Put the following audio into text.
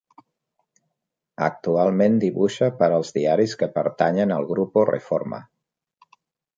Actualment dibuixa per als diaris que pertanyen al Grupo Reforma.